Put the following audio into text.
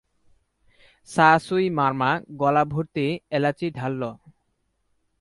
সা সুই মারমা গলাভর্তি এলাচি ঢালল।